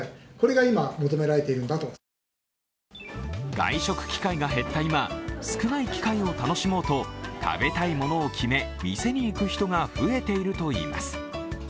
外食機会が減った今、少ない機会を楽しもうと食べたいものを決め、店に行く人が増えているといいます。